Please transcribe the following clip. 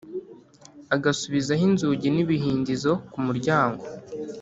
agasubizaho inzugi n’ibihindizo kumuryango